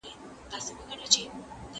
¬ لټي د گناه مور ده.